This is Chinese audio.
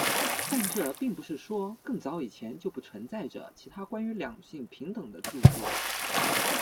但这并不是说更早以前就不存在着其他关于两性平等的着作。